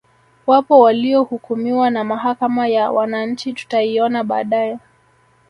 Wapo waliohukumiwa na Mahakama ya wananchi tutaiona baadae